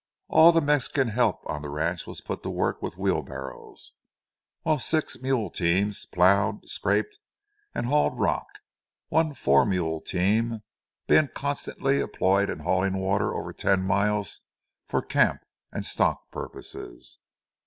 All the Mexican help on the ranch was put to work with wheelbarrows, while six mule teams ploughed, scraped, and hauled rock, one four mule team being constantly employed in hauling water over ten miles for camp and stock purposes.